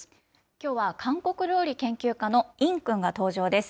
きょうは韓国料理研究家のいんくんが登場です。